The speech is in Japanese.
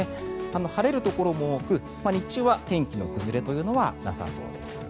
晴れるところも多く日中は天気の崩れというのはなさそうです。